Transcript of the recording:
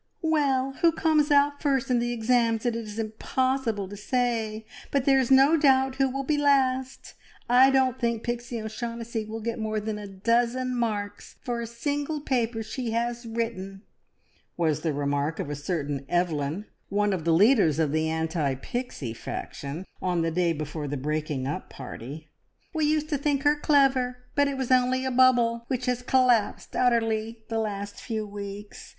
"Well, who comes out first in the exams it is impossible to say, but there is no doubt who will be last! I don't think Pixie O'Shaughnessy will get more than a dozen marks for a single paper she has written," was the remark of a certain Evelyn, one of the leaders of the anti Pixie faction, on the day before the breaking up party. "We used to think her clever, but it was only a bubble, which has collapsed utterly the last few weeks.